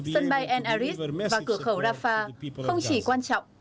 sân bay en aris và cửa khẩu rafah không chỉ quan trọng